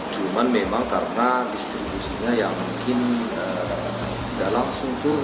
cuma memang karena distribusinya yang mungkin tidak langsung turun